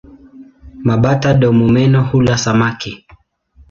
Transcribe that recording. Mabata-domomeno hula samaki.